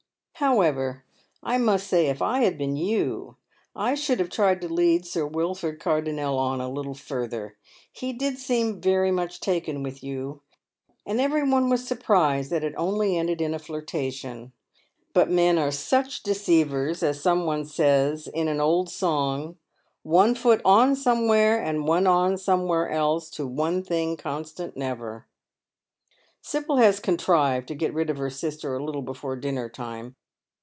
However, I must say if I had been you, I should have tried to lead Sir Wilford Car donnel on a little further. He did seem very much taken with you, and every one was surprised that it only ended in[a flirtation. But men are such deceivers, as some one says in an old song — one foot on somewhere, and one on somewhere else to one thing constant never." Sibyl has contrived to get rid of her sister a little before dinner time.